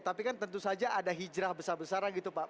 tapi kan tentu saja ada hijrah besar besaran gitu pak